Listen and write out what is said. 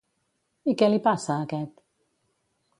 I què li passa a aquest?